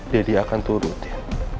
daddy akan turut ya